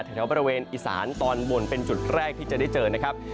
แถวบริเวณอีสานตอนบนเป็นจุดแรกที่จะได้เจอนะครับ